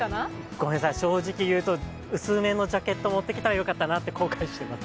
ごめんなさい、正直言うと薄めのジャケット持ってきたら良かったなと後悔してます。